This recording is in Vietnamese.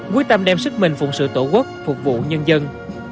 quyết tâm đem sức mình phụng sự tổ quốc phục vụ nhân dân